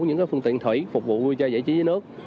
những cái phương tiện thủy phục vụ vui chơi giải trí dưới nước